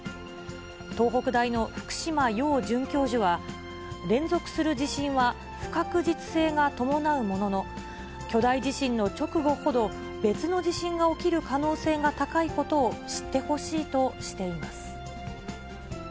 東北大の福島洋准教授は、連続する地震は不確実性が伴うものの、巨大地震の直後ほど、別の地震が起きる可能性が高いことを知ってほしいとしています。